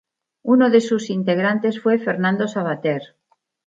Uno de sus integrantes fue Fernando Savater.